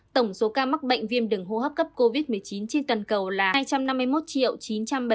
tổng số ca mắc bệnh viêm đường hô hấp cấp covid một mươi chín trên toàn cầu là hai trăm năm mươi một chín trăm bảy mươi bốn năm trăm linh năm ca